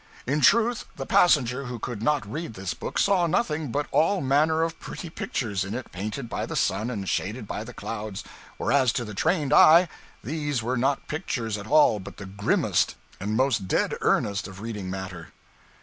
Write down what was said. In truth, the passenger who could not read this book saw nothing but all manner of pretty pictures in it painted by the sun and shaded by the clouds, whereas to the trained eye these were not pictures at all, but the grimmest and most dead earnest of reading matter.